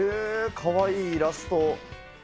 かわいいイラスト。